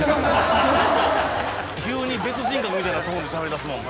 急に別人格みたいなトーンでしゃべりだすもんな。